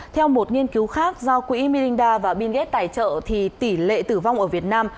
theo một nghiên cứu khác do quỹ mirinda và bill gates tài trợ thì tỷ lệ tử vong ở việt nam